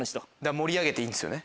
盛り上げていいんですよね？